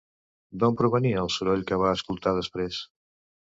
D'on provenia el soroll que va escoltar després?